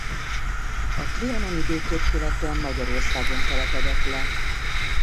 A trianoni békét követően Magyarországon telepedett le.